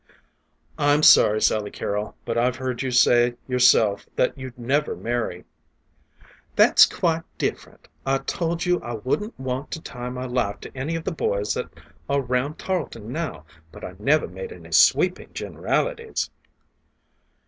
"I'm sorry Sally Carrol, but I've heard you say yourself that you'd never marry " "That's quite different. I told you I wouldn't want to tie my life to any of the boys that are round Tarleton now, but I never made any sweepin' generalities."